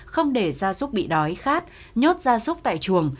không để ra súc bị đói khát nhốt ra súc tại chuồng